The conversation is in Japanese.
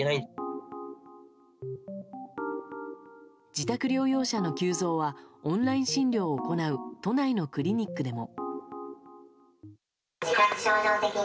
自宅療養者の急増はオンライン診療を行う都内のクリニックでも。